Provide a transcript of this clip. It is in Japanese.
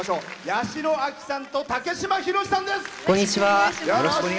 八代亜紀さんと竹島宏さんです。